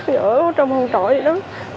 giờ ở trong hồ trọ gì đó